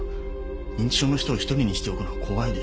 認知症の人を一人にしておくのは怖いでしょ。